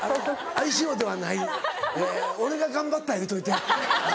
相性ではない俺が頑張ったんや言うといて。